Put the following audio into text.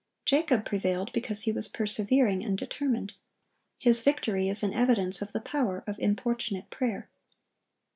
Jacob prevailed because he was persevering and determined. His victory is an evidence of the power of importunate prayer.